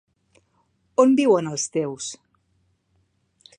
On viuen els teus.?